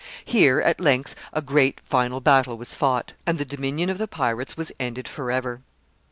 Here, at length, a great final battle was fought, and the dominion of the pirates was ended forever.